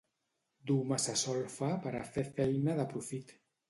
Dur massa solfa per a fer feina de profit.